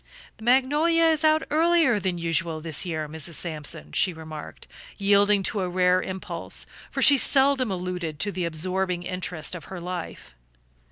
"The magnolia is out earlier than usual this year, Mrs. Sampson," she remarked, yielding to a rare impulse, for she seldom alluded to the absorbing interest of her life.